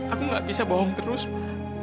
aku gak bisa bohong terus